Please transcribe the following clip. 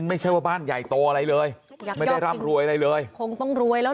ไม่ใช่ว่าบ้านใหญ่โตอะไรเลยยังไม่ได้ร่ำรวยอะไรเลยคงต้องรวยแล้ว